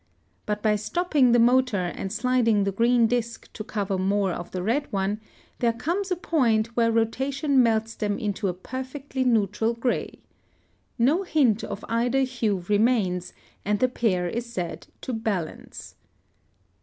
But by stopping the motor and sliding the green disc to cover more of the red one, there comes a point where rotation melts them into a perfectly neutral gray. No hint of either hue remains, and the pair is said to balance.